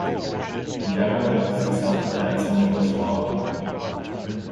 Generally, see self-defence in English law.